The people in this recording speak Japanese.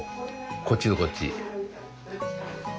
こっちとこっち。